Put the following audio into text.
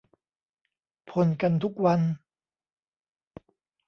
พ่นกันทุกวัน